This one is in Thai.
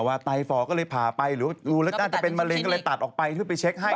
ว่าไตฟจะก็ผ่าไปหรือว่าดูแล้วจะเป็นมาลินออกไปชุดไปเช็คให้